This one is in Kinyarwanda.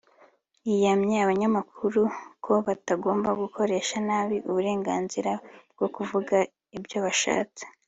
yiyamye abanyamakuru ko batagomba gukoresha nabi uburenganzira bwo kuvuga ibyo bashatse